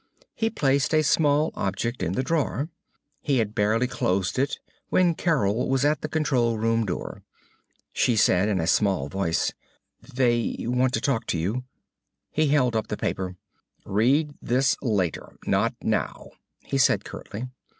He placed a small object in the drawer. He had barely closed it when Carol was at the control room door. She said in a small voice; "They want to talk to you." He held up the paper. "Read this later. Not now," he said curtly.